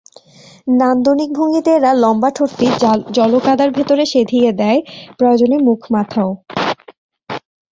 নান্দনিক ভঙ্গিতে এরা লম্বা ঠোঁটটি জলকাদার ভেতরে সেঁধিয়ে দেয়, প্রয়োজনে মুখ-মাথাও।